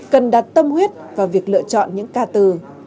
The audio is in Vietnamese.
cần đặt tâm huyết vào việc lựa chọn những ca từ